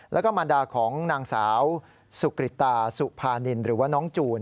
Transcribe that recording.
แล้วก็มารดาของนางสาวสุกริตตาสุภานินหรือว่าน้องจูน